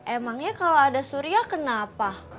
emangnya kalau ada surya kenapa